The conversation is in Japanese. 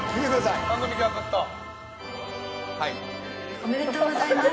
おめでとうございます。